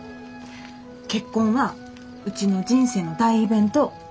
結婚はうちの人生の大イベント。